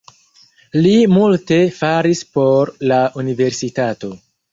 Li multe faris por la universitato.